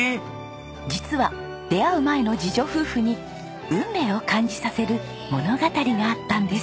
実は出会う前の次女夫婦に運命を感じさせる物語があったんです。